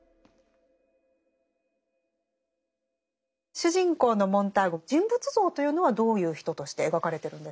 主人公のモンターグ人物像というのはどういう人として描かれてるんですか？